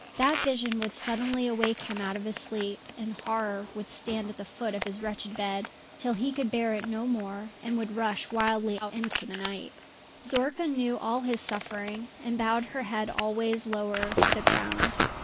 That vision would suddenly awake him out of his sleep, and horror would stand at the foot of his wretched bed, till he could bear it no more and would rush wildly out into the night. Zorka knew all his suffering, and bowed her head always lower to the ground.